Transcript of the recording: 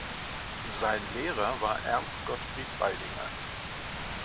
Sein Lehrer war Ernst Gottfried Baldinger.